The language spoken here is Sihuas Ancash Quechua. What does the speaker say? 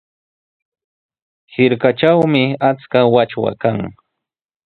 Hirkatrawmi achka wachwa kan.